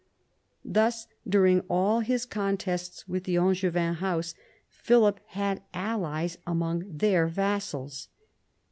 Thus during all his contests with the Angevin house Philip had allies among their vassals.